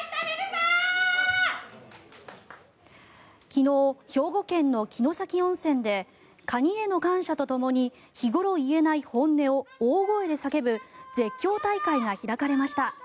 昨日、兵庫県の城崎温泉でカニへの感謝とともに日頃言えない本音を大声で叫ぶ絶叫大会が開かれました。